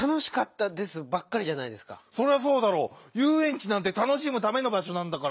ちなんてたのしむためのばしょなんだから。